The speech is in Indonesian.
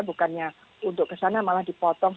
bukannya untuk kesana malah dipotong